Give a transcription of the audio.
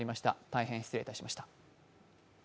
大変失礼いたしました。